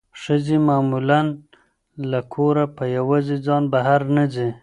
ښځې معمولا له کوره په یوازې ځان بهر نه وځي.